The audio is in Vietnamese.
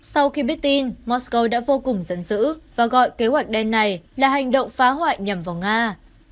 sau khi biết tin moscow đã vô cùng dẫn dữ và gọi kế hoạch đen này là hành động phá hoại nhằm vào nga